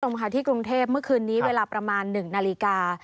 สวัสดีคุณทรงคาที่กรุงเทพฯเมื่อคืนนี้เวลาประมาณ๑นาฬิกา